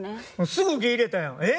すぐ受け入れたやん！え！？